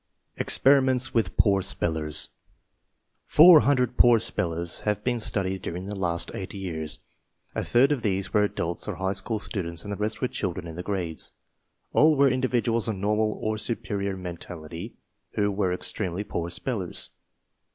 EXPERIMENTS WITH POOR SPELLERS Four hundred poor spellers have been studied during the last eight years. A third of these were adults or high school students, and the rest were children in the grades. All were individuals of normal or superior mentality who were extremely poor spellers.